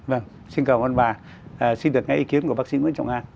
vâng xin cảm ơn bà xin được nghe ý kiến của bác sĩ nguyễn trọng an